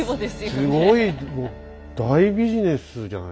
すごいもう大ビジネスじゃないですか。